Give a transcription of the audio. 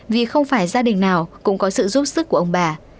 vì không phải gia đình nào cũng có sự giúp sức của ông bà